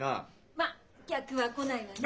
まっ客は来ないわね。